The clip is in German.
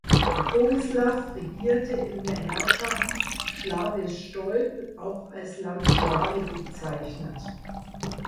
Bogislaw regierte in der Herrschaft Schlawe-Stolp, auch als „Land Schlawe“ bezeichnet.